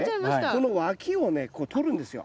この脇をねこうとるんですよ。